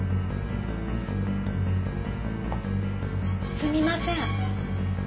すみません。